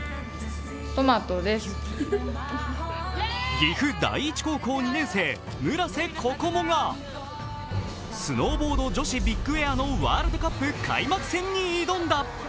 岐阜第一高校２年生、村瀬心椛がスノーボード女子ビッグエアのワールドカップ開幕戦に挑んだ。